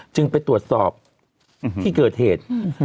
ไปตรวจสอบที่เกิดเหตุ